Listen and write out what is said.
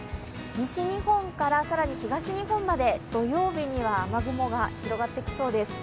西日本から更に東日本まで、土曜日には雨雲が広がってきそうです